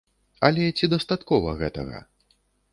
Але ці дастаткова гэтага?